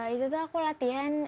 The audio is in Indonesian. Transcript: itu tuh aku latihan